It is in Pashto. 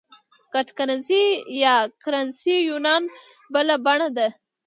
ګډه کرنسي یا Currency Union بله بڼه ده.